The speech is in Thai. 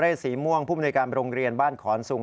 ด้านของพอนสีม่วงผู้บริการโรงเรียนบ้านขอนสุง